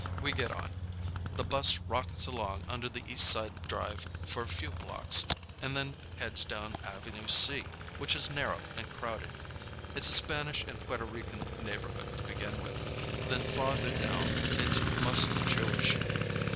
We get on. The bus rockets along under the East Side Drive for a few blocks and then heads down Avenue C, which is narrow and crowded. It's a Spanish and Puerto Rican neighborhood to begin with, then farther downtown it's mostly Jewish.